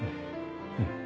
うん。